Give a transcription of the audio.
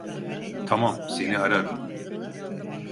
Tamam, seni ararım.